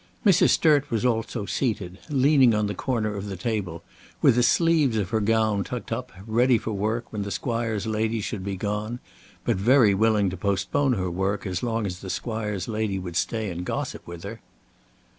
Mrs. Sturt was also seated, leaning on the corner of the table, with the sleeves of her gown tucked up, ready for work when the Squire's lady should be gone, but very willing to postpone her work as long as the Squire's lady would stay and gossip with her.